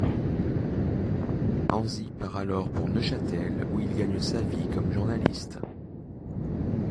Henzi part alors pour Neuchâtel où il gagne sa vie comme journaliste.